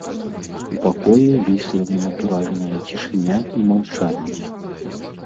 У пакоі вісла ненатуральная цішыня і маўчанне.